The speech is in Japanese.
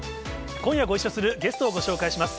今夜ご一緒するゲストをご紹介します。